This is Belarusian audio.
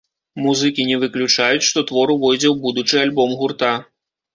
Музыкі не выключаюць, што твор увойдзе ў будучы альбом гурта.